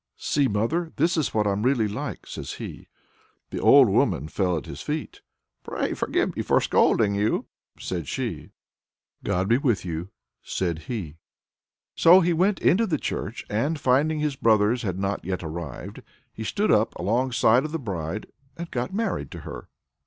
"See, mother, this is what I'm really like!" says he. The old woman fell at his feet. "Pray forgive me for scolding you," said she. "God be with you," said he. So he went into the church and, finding his brothers had not yet arrived, he stood up alongside of the bride and got married to her.